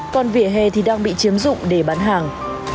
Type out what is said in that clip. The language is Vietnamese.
còn vỉa hè thì đang bị chiếm dụng để bán hàng